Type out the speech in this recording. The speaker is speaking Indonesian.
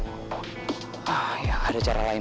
nah ya ada cara lain